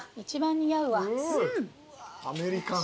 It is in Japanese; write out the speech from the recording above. アメリカン。